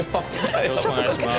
よろしくお願いします。